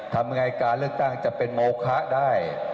ทำยังไงการเลือกตั้งจะเป็นโมคะได้